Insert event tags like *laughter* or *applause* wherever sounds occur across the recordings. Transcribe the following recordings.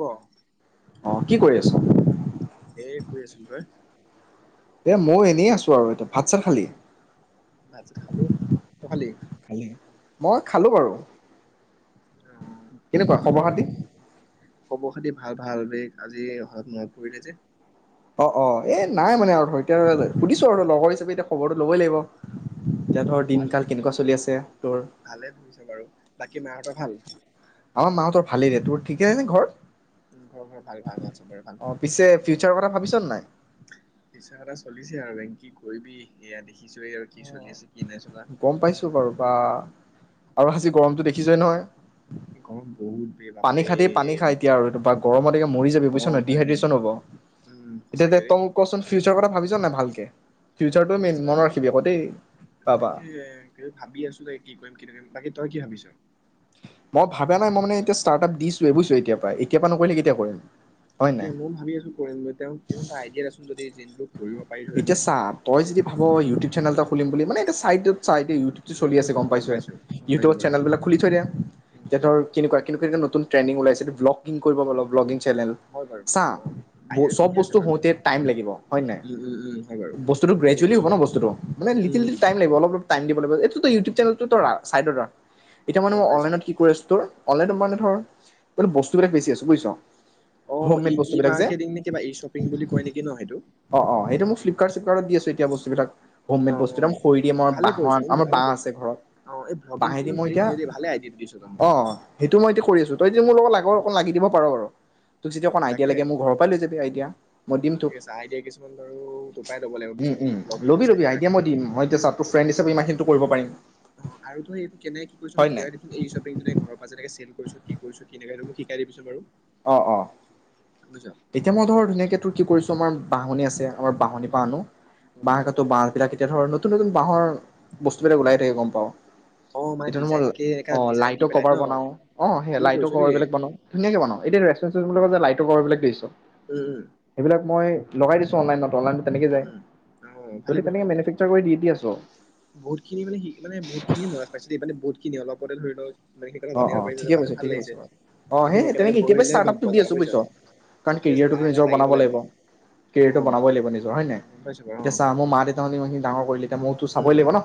কোৱা অহ কি কৰি আছা? এহ শুই আছিলো তই? এহ ময়ো এনেই আছো আৰু এতিয়া ভাত-চাত খালি? ভাত চাত খালো, তই খালি? খালি মই খালো বাৰু। আহ কেনেকুৱা খবৰ খাতি? বাকী ভাল ভাল বে' আজি মনত পৰিলে যে' অহ অহ এহ নাই মানে আৰু এতিয়া সুধিছো আৰু লগৰ হিচাপে এতিয়া খবৰটো ল'বই লাগিব এতিয়া উম ধৰ ভালে দিনকাল কেনেকুৱা চলি আছে তোৰ? ভালে চলিছে, বাৰু বাকী মাহঁতৰ ভাল? আমাৰ মাহঁতৰ ভালেই দে, তোৰ ঠিকে আছে নহ ঘৰ? উম ঘৰ ঘৰ ভাল ভাল চবৰে ভাল। ফিউচাৰ কথা ভাবিছ' নাই? ফিউছাৰৰ কথা চলিছে আৰু কি কৰিবি এয়া দেখিছয়ে আৰু কি চলি আছে কি নাই চলা গম পাইছো বাৰু বাহ আৰু আজি গৰমটো উম, দেখিছই নহয়। এই গৰম বহুত বে পানী বাপৰে খাতি পানী খা এতিয়া আৰু এই গৰমতেকে মৰি যাবি অ বুজিছ ন ভাই ডিহাইড্ৰেশ্যন হ'ব উম এতিয়া সঁচাকে ৰে তইমোক কচোন ফিউচাৰৰ কথা ভাবিছ নাই ভালকে। ফিউচাৰটোৱে মেইন মনত ৰাখিবি আকৌ দেই। বিছাৰি, বাবা তাকেই ভাবি আছো দেই কি কৰিম কি কৰিম তাকে তই কি ভাবিছই। মই ভাবা নাই মই মানে এতিয়া ষ্টার্টআপ দিছোৱে বুজিছ এতিয়াৰ পৰা এতিয়াৰ পা নকৰিলে কেতিয়া কৰিম। হয় তাকে নাই মই ভাবি আছো কৰিম বুলি তেওঁক এটা আইডিয়া দেচোন যদি যিনটোক ধৰিব পাৰি ধৰি এতিয়া ল। চা তই যদি ভাব ইউটিউব চেনেল এটা খুলিম বুলি মানে এটা চাইটোপ চাইড। ইউটিউত হুম চলি হুম আছে গম হুম পাইছৱে পাইছো গম ইউটিউব পাইছো বাৰু চেনেল এটা খুলি থৈ দে। উম এতিয়া হুম ধৰ কেনেকুৱা কি *unintelligible* নতুন ট্ৰেনডিঙ ওলাইছে ব্লকিং কৰিব ব্লগিং। চেলেল হয় বাৰু ছা অ আইডিয়াটো চব ঠিকে আছে বস্তু বাৰু উম হওতে টাইম লাগিব হয়নাই উম উম হয় বাৰু বস্তটো ঠিকে গ্ৰেজুৱেলি হব কৈছো ন বস্তুতো মানে লিট্ৰিলি উম টাইম লাগিব। এইটো টই ইউটিউব চেনেলটো চাইদত ৰাখ। এতিয়া মানে। গম পাইছো। মনত কি পৰি আছে তোৰ। হলে তোমালে ধৰ। বস্তুবিলাক বেছি আছো বুজিছ অ হোম ই মেড ই বস্তুবিলাক যে। মাৰ্কেটিং নে কিবা ই শ্বপিং বুলি কয় নেকি ন সেইটো অ অ সেইটো মোক ফ্লিপকাৰ্ট চিপকাৰ্ত ত দি আছে এতিয়া বস্তুবিলাক। হোম অ মেড অ। বস্তুবিলাক মই খৰি দি অ মই ভালে কৰিছ কিন্তু আমাৰ ভালে বাহ কৰিছ আছে। ঘৰত অ এই ভ্লগিং বহেদি কিনো মই পাৰি এতিয়া কিন্তু দেই ভালে আইডিয়াটো দিছ তই মোক। অ সেইটো মই এতিয়া কৰি আছো। তই যদি মোৰ লগত লাগ অকন লাগি দিব পাৰ বাৰু। তোক যেতিয়া অকণ আইডিয়া তাকে লাগে মোৰ ঘৰৰ পৰাই লৈ যাবি আইডিয়া মই দিম তোক। বাৰ চপাই লব লাগিব উম, উম, পিছত ৰাখিব। ইমানখিনিতো কৰিব পাৰিম। অ আৰু তো এইটো কেনে কি কৰি চোন হয় নাই? দিোন এই্ব ঘৰৰ পৰা যেনে কৈছ কি কৰিছ কি। সেইটো মোক শিকাই দিবি চোন বাৰু। অ অ। বুইছ এতিয়া মই ধৰ তাকে ধুনীয়াকে তোৰ কি কৰিছো। আমাৰ বাহনি আছে আমাৰ বাহনিৰ পৰা আনো। উম বাক ত বাহপিলাক। এতিয়া ধৰক নতুন, নতুন বাঁহৰ বস্তুবিলাক ওলাই থাকে গম পাওঁ। অ মানে এতিয়া মই ডিজাইন কে এনেকা অ ডিজাইন দি লাইটৰ পেলাই কভাৰ ন বনাও অ সেই ভালে লাইটৰ কৰিছ কভাৰ দেই বিলাক বনাও ধুনীয়াকে বনাও। এতিয়া ৰেষ্টুৰেন্ট লাইটৰ পোহৰ বিলাক দিছে। উম সেইবিলাক মই লগাই দিছো অনলাইত অনলাইন তেনেকে উম যায়, উম উম অ ভালে ‌তহতে কৰিছ তেনেকে মেনফেকাৰ কৰি দি দি আছ। বহুত খিনি মানে মানে বহুতখিনি ল'ৰা পাইছো এই মানে বহুতখিনি অলপতে ধৰি লওক ইমান খিনি কথা অহ জানিব অহ পাৰিছো যে ঠিকে মানে কৈছ ভাল ঠিকে কৈছ লাগিছে বাৰু, অহ এদিন সেই একেলগে তেনেকে এতিয় বহিলে ষ্টাৰ্ট গম আপটো পোৱা দি যাব আছো বুইছ বুজিছ কাৰণ ঠিকে আছে কেৰিয়াৰটোতো লাহে লাহে নিজৰ বনাব লাগিব, অ কেৰিয়াৰটো বনাবই লাগিব নিজৰ হয়নে? গম পাইছো বাৰু অ এতিয়া চাহ মোৰ মা দেউতাই মোক ইমানখিনি ডাঙৰ কৰিলে এতিয়া মইতো উম চাবই উম লাগিব নহ?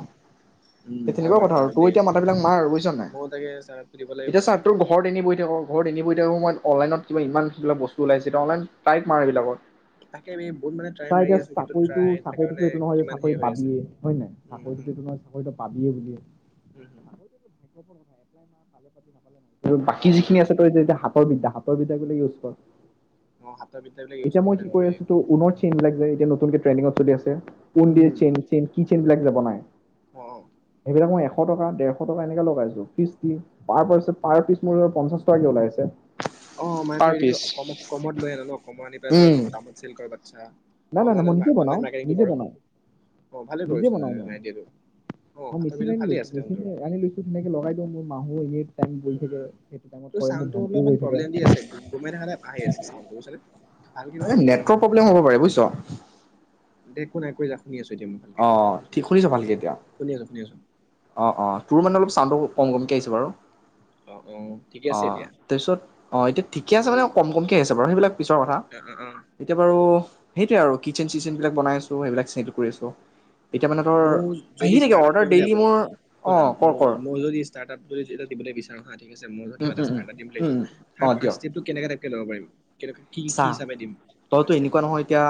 উম *unintelligible* হয় তেনেকুৱা বাৰু কথা আৰু কথাটো তোৰ দেই এতিয়া মাথা বিলাক মাৰ বুজিছ নাই ময়ো তাকে ছাৰক সুধিব লাগিব এতিয়া চাহ তোৰ ঘৰত এনে বহি ঘৰত এনিব থাকো মই অনলাইনত কা ইমানিবিলাক বস্তু ওাইছেতি অনলাইন টাইপ মাৰ এইবাকত তাকে আমি বহুত মানে ট্ৰাই তাই মাৰি এতিয়া আছো কিন্তু চাকৰিতটো ট্ৰাই তেনেকে মানে চাকৰিততো এইটো নহয় যে কিমান হেৰি চাকৰি হৈ আছে। পাবিয়ে হয় নে নাই উম হুম চাকৰিটোতো এইটো নহয় চাকৰিতো পাবি। যিয়ে বজিয়ে উম হম ক'ত হে পাই মালে পাতি নাপালেকে। আৰু অ বাকী যিখিনি আছে তই যেতিয়া সাপৰ বিদ্যা সাপৰ বিধা বোৰ ইউজ কৰ অ হাতৰ বিদ্যাবিলাক ইউজ এতিয়া কৰিব মই কি কৰি নাপাবি আছো তো উনৰ চেইন লাগি এতিয়া নতনকে ট্ৰনিঙত চলি আছো কোন উম দ হুম চেন চন কি চেনবিললোক যাব বনাই অ সেইবিলাক মই এ ছ টকা ডেৰশ টকা এনেকৈ লগায়ে ফিষ্ট তু পাৰ পাছ পাৰ পিচ মোৰ পঞ্চাশ টকাকে ওলাইছে অ মান তোৰি কমত লৈ আনো ন অকমত আনি পাই ধ উম দামত চিলকৰ বাচ্ছা নাই নাই নাই মই অনলাইনত মা নিজে অনলাইন বনাও মাৰ্কেটিংটো নিজে কৰ বনাও অ ভালে নিজে কৰিছ বনাও মই আইডিয়াটো অ মই হাতৰ মেচিন বিদ্যা আনি ভালেই লৈছো আছে দেখোন মেচিন তোৰ আনি লৈছো ধনেকে লগাই দিওঁ মোৰ মাহ এইত ম উম উম উম তোৰ চাউণ্ডটো ভন্টিও অলপমান গৈ থাকে প্ৰব্লেম দি আছে গোমাই থকা টাইপ আহি আছে চাউণ্ডটো বুজিছনে ভালকে কচোন অলপমান নেটৰ্ক প্ৰ্লেম হব পাৰে দে নাই কৈ যাক। শুনি আছোঁ এতিয়া মই ভালকৈ অ ঠিক শুনিছ ভালকে এতিয়া শুনি আছোঁ শুনি আছোঁ অ অ তোৰ মানে অলপ চানটো কম কমকে আহিছ বাৰু অ অ ঠিকে অ আছে এতিয়া তাৰপিছত অ এতিয়া ঠিকে আছে মানে উম কম কমকে আছে সেইবিলাক পিছৰ কথা অ অ অ এতিয়া বাৰু সেইটয়ে আৰু কিচেন চিচেন বিলাক বনাই আছো সেইবিলাক চ্ কৰি আছো। এতিয়া মানে তৰ আহি নেকি অৰ্ডাৰ ডেইলি মোৰ ক অ নাই ম কৰ কৰ ম যদি ষ্টাৰ্ আপ বুলি য যে দিবলৈ বিচাৰো হয়। ঠিকছে মই উম কিবা এটা উম উম ষ্টাৰটআপ কৰিল বুলি উম ভাবিছো অ ফাছ দিয়ক টেষ্টপটো কেনেকোবা টাইপ কে লব পাৰিম? কেনেকা কি কি চাহ হিচাপে দিম তইতো ফাৰ্ষ্ট এনেকুৱা ষ্টেপটো নহয় এতিয়া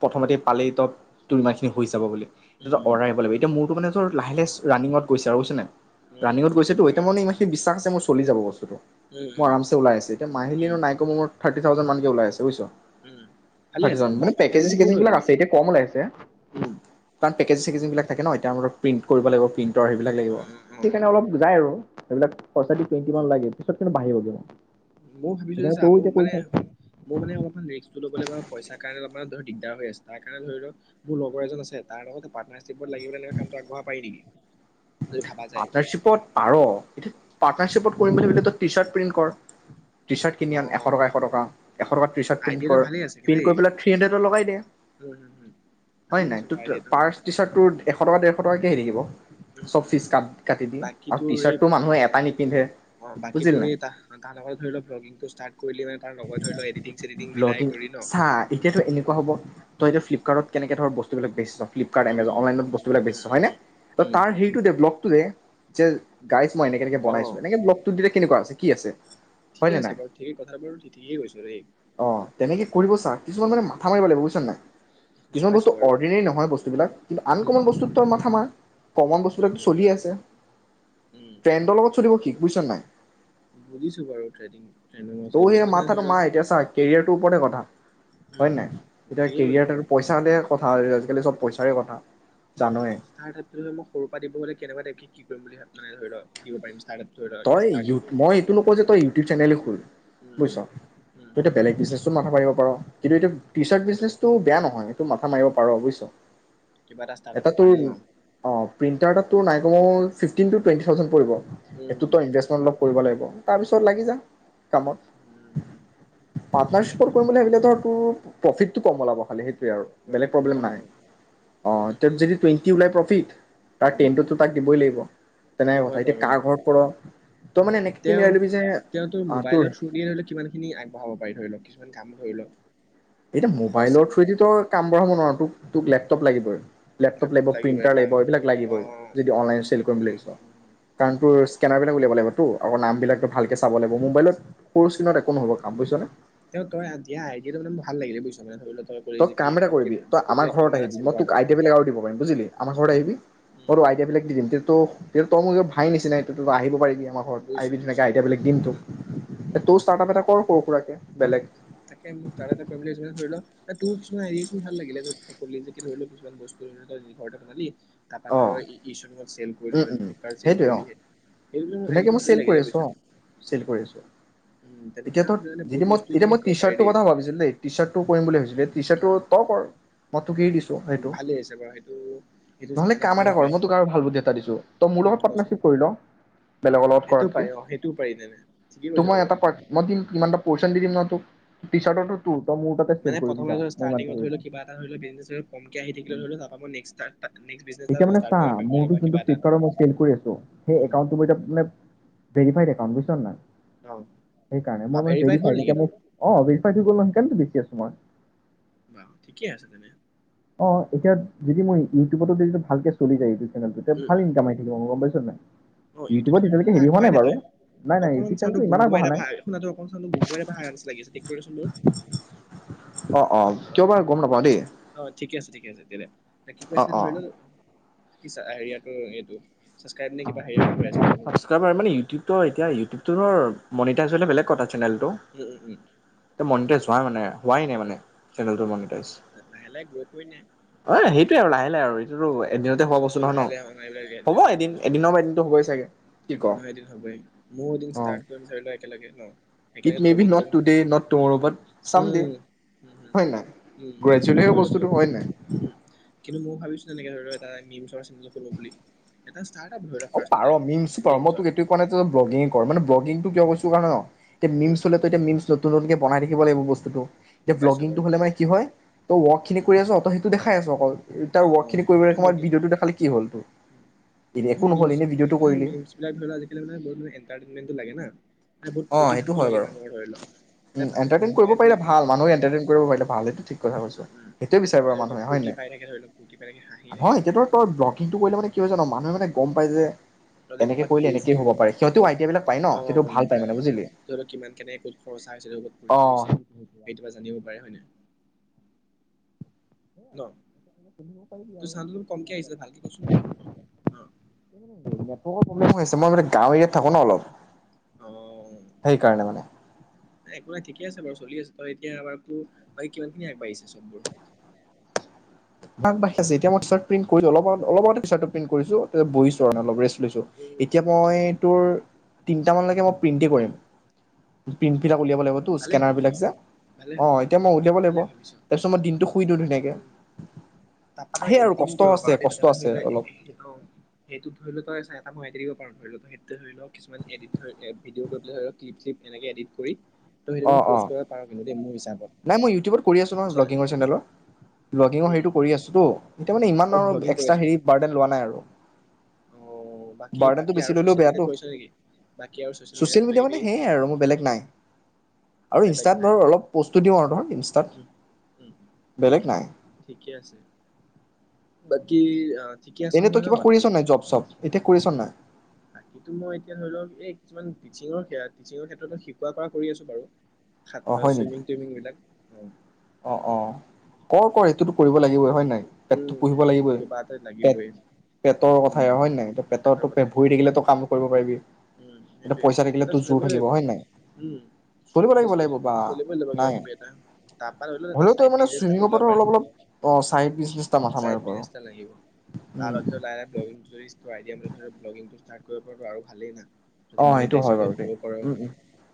প্ৰথমতে পালেই ত তুলমাখিনি হৈ যাব বুলি। এ উম অওৰা আহ লাগ এয়া মোৰতটো মানে লাহে লাহে ৰানিঙত গৈছে আৰু বুইছছে নাই? উম ৰাঙিগত ঠিকে গৈছে তো আছে এতিয়া বাৰু মান ইমানখি বিশ্বাস আছে মোৰ চলি যাব বস্তুটো। উম মোৰ উম আৰামছে ওলাই আছো এতিয়া মাহিলী উম নো নাইক মৰ থাৰি থাউজেন মান ওলাইছে বুইছ? উম ভালে আছে বা মানে থাৰ্টি পেকেজিং থাউজেণ্ড বহুত চেকেজিং হৈ বিলাক জানে আছে এতিয়া কম ওলাইছে। উম পেকেজীং চেকজিং বিলাক থাকে ন এতিয়া আমাৰ প্ৰিট কৰিব লাগিব প্ৰিট ৰ সেইবিলাক লাগিব অ অ অ সেইকাৰণে অলপ যায় আৰু এইবিলাক পচ টুৱণ্টিান লাগে পিত *unintelligible* মই ভাবিছো ছা মোৰ মানে মোৰ মানে অলপমান ৰিক্টো ল'ব পইচাৰ কাৰণ অলপ দিগদাৰ হৈ আছে তাৰণে ধৰি লও মোৰ লগৰ এজন আছে তাৰ লগতে পাটণাৰচিপ লাগিব কামটো আগবঢ় পাৰি নেকি? যদি ভাবা যায় পাৰ্টনাৰশ্বিপত পাৰ। পাৰ্টনাৰশ্বিপত কৰিম বুলি তই টি চাৰ্ট প্ৰিণ্ট কৰ। টি চাৰ্ট অ কিনি আন এশ টকা এশ টকা এশ টকা টি চাৰ্ট প্ৰিন্ট আইডিয়াটো কৰ ভালেই আছে কিন্তু প্ৰিন্ট দেই কৰি পেলাই থ্ৰী হাণ্ড্ৰেডত লগাই দিয়ে উম উম উম হয়ে ভালে নাই দিছে বাৰু ত আইডিয়াটো পাৰ্চ টি চাৰ্ট এশ টকা ডেৰশ কে থাকিব। উ চব উ ফিজ কাট কাটি দি বাকী আৰু তোৰ টি এই চাৰ্টটো মানুহে এটা নিপিন্ধে অ বাকী বুজিলি তৰ নাই এই তাৰ লগত ধৰি লও্লিংটো াৰ্ট কৰি ম ব্লং চাহ এতিয়াতো এনেকুৱা হ'ব তই যে ফিপকাৰ্ট কেনেকে ধৰ বস্তুবিলাক বেছ ফ্লিপকাৰ্ট এমেজন উম অনলাইন উম উম বস্তুবিলাক উম বেচিছ উম উম হয় ন? উম ত উম তাৰ হেৰিটো ডে ভ যে গাই মই এনেকে এনেকে অ বনাইছো এনেক ব্লকটো দিলে কেনেকুৱা আছে কি আছে। হয় ঠিকে নে আছে নাই বাৰু ঠিকেই কথা বোৰো ঠিক। ঠিকে কৈছ দেই। অ তেনেকে কিছুমান মানে মাথা মাৰিব লাগিব বুজিছ ন নাই। গম কিছুমান পাইছো বস্তু বাৰু অৰ্ডিনেৰি নহয় বস্তুবিলাক কিন্তু উম আনকমন বস্তুত তই মাথামাৰ। কমন উম বস্তুবিলাকটো উম চলি উম আছে ট্ৰেণ্ডৰ লগত চলিব শিক। বুইচন নাই। বুজিছো বাৰু ট্ৰেডিং। ট্ৰেইনিঙৰ তৌ চলিবলৈ সেই কিন্তু মানে মাথাটো ধৰি ল মাৰ এতিয়া চা কেৰিয়াৰটোৰ ওপৰতে কথা। উম হয় নাই? উম এতিয়া ঠিকেই কৈছো কেৰিয়াৰত বাৰু আৰু পইচা হলে, কথা আজিকালি চব পইচাৰে কথা। জানয়ে *unintelligible* *unintelligible* তই, ষ্টাৰ্টিংটো মই এইটো নকওঁ যে তই ইউটিউব চেনেলো খোল উম বুজিছ, উম তই এতিয়া বেলেগ বিজনেছ টো মাথা মাৰিব, কিন্তু এইটো টি-চাৰ্ত বিজনেছটোও বেয়া নহয় এইটো মাথা মাৰিব পাৰ বুজিছ? কিবা এটা স্তাৰ্তাপৰ কাৰণে ন', প্ৰিনটাৰটোত তোৰ নাই কমেও ফিফটিন -টু -টুৱেনটি -থাউজেন পৰিব। এইটোতোত উম তই ইনভেষ্টমেণ্ট অলপ কৰিব লাগিব। তাৰ পিছত লাগি যা। কামত উম পাৰ্টনাৰশ্বিপত বাকী কৰিম বুলি ভাবিলে ধৰ তোৰ, প্ৰফিটতো কম ওলাব খালি সেইটো, বেলেগ প্ৰফিটটো প্ৰব্লেম কম ন নাই অহ', উম উম যদি টুৱেন্টি ওলাই প্ৰফিট তাৰ উম টেনতোটো তাক দিবই লাগিব সেইটো তেনেকে হয় কথা এতিয়া বাৰু কাৰ ঘৰত তই মানে এনেকে কি মিলাই তেওঁ লবি যে তেওঁ তোৰ মোবাইলৰ থ্ৰু দিয়ে ধৰি ল কিমান খিনি আগবঢ়াব পাৰিব। ধৰি লওক কিছুমান কাম ধৰি লও। এতিয়া মোবাইলৰ থ্ৰুয়েদি তই কাম বঢ়াব নোৱাৰোঁ তোক তোক লেপটপ লাগিবই। লেপটপ লাগিব লাগিবই প্ৰিণ্টাৰ কাৰণ লাগিব এইবিলাক অ লাগিবই যদি উম অনলাইনত চেল কৰিম বুলি ভাবিছ, উম উম কাৰণ তোৰ কেনেৰা বেংকত উলিয়াব লাগিব। তোৰ আকৌ নাম উম উম বিলাকযে ভালকে উম চাব লাগিব মোবাইলত সৰু চিনত একো নহব। কাম বুজিছনে তেওঁ তই দিয়া আইডিয়া তো মানে, ভালাগিলে বুইছ নাই ধৰি ল', তই কাম এটা কৰিবি। তই আমাৰ ঘৰত আহিবি, চেল মই কৰাটো তোক আইডিয়াবিলাক আৰু দিব পাৰিম বুজিলি, আমাৰ ঘৰত উম, আহিবি। মই উম, তোক, আইডিয়াবিলাক দি দিম। তক তই মোৰ নিজৰ ভাই নিচিনাইটো আহিব পাৰি। আমাৰ ঘৰত বুজিছো আহিবি ধুনীয়াকে বুজিছো। আয়দিয়া বিলাক উম, উম, দিমটোক। উম, তও ষ্টাৰপ এটা কৰ সৰু সুৰাকে। বেলেগ তাকইটো তাৰ এটা ফেমিলি হৈছে ধৰি ল ', তোৰ কিছুমান আইদিয়াচোন ভাল লাগিলে যে তই, কলি যে ধৰি লও কিছুমান বস্তু ল তই ঘৰত এ ', বনালি। তাৰপা অ ধৰ এশু ৰুমত চেল কৰিলি উম', ধৰি ল উম। ফ্লিপকাৰ্ট চেল সেইটোৱে অ, কৰিলি সেই- সেইবিলাক মোৰ ধুনীয়াকে আইডিয়াটো মই ভালে চেল কৰি লাগিলে আছো বুজিছ। অ, ' চেল কৰি আছো। উম, তেনেকে এতিয়াতো মানে যদি বহুত মই, বস্তু এতিয়া তেনেকে মই শিকাব টি- পাৰি চাৰ্টটোৰ দেই। কথা ভাবিছিলো দেই, টি -চাৰ্টটো কৰিম বুলি ভাবিছিলো। টি- চাৰ্টটো উম, তই কৰ। তোকেই দিছো সেইটো ভালে হৈছে বাৰু সেইটো সেইটো নহলে ষ্টাৰ্ট আপ কাম এটা কৰিব কৰ, পাৰি। মই তোক আৰু ভাল বুদ্ধি, দিছো। তই মোৰ উম, লগত কচোন পাৰ্টনাৰশিপ কৰি'ল? বেলেগৰ লগত সেইটোও কৰাতকে। পাৰি অ' সেইটোও পাৰি তেনে ঠিকেই ত', কৈছ মই বাৰু। এটা মই দিম কিমানটা পৰ্চন দি দিম ন, তোক টি - চাৰ্টৰতটো তোৰ। তই মোৰ তাতে চেল মানে কৰিবি প্ৰথম যা দিনৰ মই ইমানটো ষ্টাৰটিনং কৰি ধৰি ল দিম কিবা এটা ধৰি ল', কমকে আহি থাকিলে ধৰি ল', তাপা মই নেস্ক বিজনেজ এটা এতিয়া মানে চা ষ্টাৰ্ট কৰিব পাৰিম ধৰি ল মোৰতো বা যোনটো কিবা এটা ফ্লিপকাৰ্টত মই চেল কৰি আছো। সেই উম, একাউণ্ট টো মানে, ভেৰিফাইড একাউনট, বুজিছ নাই। অ' সেইকাৰণে বা মই মানে ভেৰিফাইড হ'ল *unintelligible* নেকি এতিয়া মই তোৰ? অঁ ভেৰিফাইড হৈ গ'ল ন *unintelligible* দেখি আছো মই। বাৰু ঠিকে আছে তেনে অঁ, এতিয়া যদি মই ইউটিউবতো যদিটো ভালকে চলি যায় এইটো *unintelligible* ভাল ইনকাম আহি থাকিব মোৰ গম *unintelligible* অঁ ইউটিউব ইউটিউবত এতিয়ালৈকে চেনেলটো হেৰি হোৱা আগবঢ়াই নাই নে বাৰু তই, নাই নাই অকনমান ইউটিউব চাওন টো চেনেলটো গুম ইমান গমাই আগবঢ়া নাই টাইপৰ আহা তোৰ চাওক টো গুমগমাই আহা টাইপৰ লাগিছে ঠিক কৰি দেচোন অ', অ কিয় বা, গম নাপাও দেই। অ' অ' ঠিকে আছে, ঠিকে আছে তেতিয়া হ'লে, কি কৈ অ আছিলি অ ধৰি ল কিছা হেৰিয়াতো এইটো। ছাবস্ক্ৰাইব নে কিবা হেৰিয়াৰ কথা কৈ আছিলি তই মোক আকৌ ছাবচকাইবাৰ, মানে ইউটিউব এতিয়া ইউটিউবটো মনিতাইচ হ'লে বেলেগ কথা চেনেলটো, উম, উম, এই মনিটাইচ *unintelligible* মানে হোৱাই নাই মানে চেনেলটো মানে। লাহে লাহে গ্ৰ' কৰি নে *unintelligible* আৰু লাহ লাহে আৰু এইটোটো এদিনতে হোৱা বস্তু চবতো নহয় ন, লাহে লাহে অনা হ'ব এইবিলাক এদিন। এদিনৰ পৰা *unintelligible* এদিনতো হ'বই চাগে কি ক এদিন নহয় এদিন হবই, মইও এদিন অ ষ্টাৰট কৰিম ধৰি লোৱা একেলগে ন। ইট একেলগে মে বি ভ্লগিং নট কৰিম today not tomorrow but চাম দে, উম উম হম হয় উম কিন্তু নাই *unintelligible* ধৰি লোৱা বস্তুটো তোৰ হয় নাই। উম উম। *unintelligible* *unintelligible* এটা ষ্টাৰ্টআপ ধৰি লোৱা অঁ, ফাৰ্ষ্টতে পাৰ মিমছ পাৰ মই মিমচৰ তোক এইটো কোৱা নাই যে তই ব্লগিং কৰ মানে ব্লগিংটো কিয় কৰিছো কাৰণে ন এ মিমছ উম হ'লে তই এতিয়া নতুন নতুনকে উম, বনাই থাকিব লাগিব বস্তু গম *unintelligible* পাইছো ভ্লগিং বাৰু টো হলে মানে কি হয়, তই ৱৰ্ক খিনি উম কৰি উম। আছ তই সেইটো দেখা খাই আছোঁ অকল। তাৰ অ ৱৰ্ক খিনি কৰিব সেইটো লগীয়া হয় সময়ত কিন্তু ভিডিঅটো দেখালে কি হ'ল, এ মিমছ মানে মিমছবিলাক ধৰিলোৱা আজিকালি মানে বহুত এণ্টাৰতেইন্মেন্ত লাগে না। মানে বহুত অঁ ফূৰ্তি সেইটো ভাৱটো হয় লাগে বাৰু মানুহৰ ধৰি লওক এটা উম মানুহ এণ্টাৰটেইন কৰিব হহুৱাই থলে পাৰিলে মানে ভাল, অ মানুহ এণ্টাৰটেইন কৰিব পাৰিলে ভাল সেইটো ঠিক কথা দেখা পাইছোঁ উম উম হেইটো বিচাৰিব ধৰি লওক মানুহে ফূৰ্তি হয়নে। পাই থাকে ধৰি লওক ফূৰ্তি পাই থাকে হাঁহি থাকে হয়', এতিয়া টো তৰ ব্লকিংটো কৰিলে মানে কি হয় জান? মানুহে মানে গম পাই যে। তই যে এনেকে ক'ৰবাত কৰিলে এনেকেই পৰিছো হব পাৰে সিহঁতে আইডিয়া বিলাক পায় ন। সেইটো ভাল পায় মানে বুজিলি তোক কিমান কেনে ক'ত খৰচা হৈছে ক'ত অ ফব গৈছে সেইটো বা জানিব পাৰে হয় নে? ন', পিন্ধিব পাৰিবি তোৰ আৰু। চাউণ্ডটো অলপ কমকে *unintelligible* আহিছিলে ভালকে মোৰ কচোন বাৰু প্ৰব্লেম হয় অ আছে। মই মানে গাঁও এৰিয়াত থাকো ন অলপ। অহ সেইকাৰণে মানে ', একো নাই ঠিকে আছে বাৰু। চলি আছে তই এতিয়া আমাৰতো বাকী কিমান খিনি আগবাঢ়িছে চববোৰৰ? আগবাঢ়িছে এতিয়াই মই টি ছাৰ্ট প্ৰিণ্ট কৰিলোঁ অলপ আগ -অলপ আগতে প্ৰিণ্ট কৰিছোঁ এতিয়া বহিছোঁ অলপ ৰেষ্ট লৈছোঁ। উম এতিয়া মই তোৰ তিনিটা মানলেকে ম প্ৰিণ্টে কৰিম। উম প্ৰিণ্টবিলাক উলিয়াব উম লাগিবতো ভালে ভাবিছ স্কেনাৰবিলাক যে ভালে অহ', ভাবি এতিয়া মই উলিয়াব ভালে লাগিব। তাৰপিছত মই দিনটো শুই দিওঁ ধুনীয়াকৈ। তাপা তই এডিতিংউ কৰিব পাৰ দেই কষ্ট তাে ধৰি আছে ল অলপ অহ', সেইটোত ধৰি ল তই চাই তাক, মাতি দিব পাৰ, ধৰি ল তো সেইটো ধৰি লক কিছুমান এডিত ধৰি ভিডিঅ' পেল ধ লক ক্লিপ্লি এনেক এডিট কৰি ত', সেইটো অ কিন্তু অ পষ্ট কৰিব পাৰ দে মোৰ হিচাপ নাই মই ইউটিউবত কৰি আছোঁ নহয় ব্লগিঙৰ চেনেলত, ব্লগিঙৰ উম হেৰিটো কৰি আছোতো এতিয়া মানে ইমান মই আৰু ভ্লগিং কৰি এক্সট্ৰা আছো হেৰি বাৰ্ডেন লোৱা নাই আৰু। অ বাকী বাৰ্ডনটো বাকী বেছি আৰু ললেও ছচিয়েল বেয়াতটো, মিডিয়াত কৰিছ নেকি বাকী আৰু মিডিয়াত ছচিয়েল কিবা মিডিয়া কিবি মানে সেয়াই আৰু মোৰ বেলেগ নাই আৰু বেলেগ ইনষ্টাত নাই ধৰ অলপ অৰ্ধন। ইনষ্টাত, উম উম বেলেগ নাই। ঠিকে আছে। বাকি, অহ ', এনেই তই কিবা কৰিছ নাই, জব-চব? এতিয়া কৰিছ নাই? বাকীটো মই এতিয়া ধৰি লওক, এই কিছুমান টিচিঙৰ-টিচিঙৰ ক্ষেত্ৰত শিকোৱা কৰা কৰি আছো বাৰু। শাত, চুইমিং-টুইমিং বিলাক। উম',। অহ', -অহ', কৰ-কৰ সেইটোতো কৰিব লাগিবই হয় নে নাই? পেটটো উম, পুহিব লাগিবই, কিবা এটা লাগিবই পেট-পেটৰ উম। কথাই হয় নে নাই অ', পেটৰ পেটৰটো কথা ভৰি থাকিলেতটো কাম কৰিব পাৰিবি। উম', এতিয়া সেইটোৱে পইচা কিবা থাকিলে এটা তোৰ জোৰ চলিবই থাকিব লাগিব হয় নাই? উম', চলিব এহ, লাগিব লাগিব বা চলিব-চলিবই লাগিব নাই কিবা-কিবি এটা। তাৰ পৰা ধৰিল হ'লেও তই চাইদ মানে বিছনেচ এটা চুইমিঙৰ পৰা খোলিলব পাৰি, অলপ অলপ অ' চাইড বিজনেছ এটা মাথা মাৰিব চাইদ পাৰ। বিছনেচ এটা লাগিব, তাৰ উম, লগত ধৰ লাহে লাহে ব্লগিঙটো যদি আইডিয়া মতে ব্লগিঙটো ষ্টাৰ্ট কৰিব পাৰটো আৰু ভালেই না। যদি অ, সেইটো মনিটাইজ হয় হৈ বাৰু দেই গ্ৰ' কৰ উম', উম,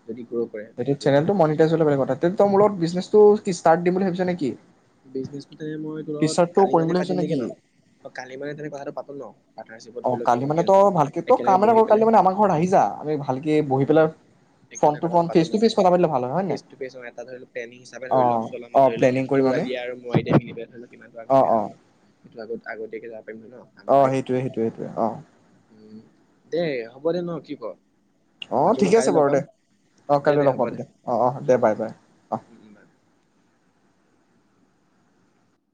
যদি গ্ৰ' কৰে এতিয়া আৰু চেনেলটো মনিটাইজ হলে বেলেগ কথা তে তই মোৰ লগত বিজনেছটো কি ষ্টাৰ্ট দিম বুলি ভাবিছ নে কি? বিজনেছ টোতে ময় তোৰ লগত কালি কৰিম মানে বুলি ভাবিছ পাতিম নেকি ন কালি মানে তেনে কথাটো পাটো ন। পাৰ্টনাৰশ্বিপত অ', ধৰি লও কি কিলি হয় মানে কি নহয়। ভালকে, তই একেলগে কাম এটা বহি কৰ তই কালি পেলাই মানে আমাৰ ঘৰ আহিজা আমি ভালকে উম, বহিপেলাই ফ্ৰণ্ট একেলগে টু কথাটো ফ্ৰণ্ট, পাতো ফেছ ন? টু ফেছ কথাতো পাতিলে ভাল হয়, হয় নে ফেচ নাই? টু ফেচ অ এটা ধৰি লওক প্লেনিং হিচাপে ধৰি লও চল আমাৰ অ', ধৰি পে লওক তোৰ আইদিয়া আৰু মোৰ আইদিয় মিল পেলাই ধৰি লক কিমান অ আগবঢ়ে অ ধৰি লক সেইটো আগত আগতিয়াকে যাম অ, সেইটয়ে-সেইটোয়ে-সেইটয়ে অ',। উম দে হ'ব দে ন কি ক? অ', বাকী বোলো ঠিকে আছে কাইলৈ লগ বাৰু পাম দে অ, কাইলৈ লগ পাম দে অ, অ দে উম বাই উম বাই অ। উম উম